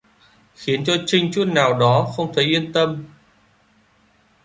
Khiến cho trinh chút nào đó không thấy yên tâm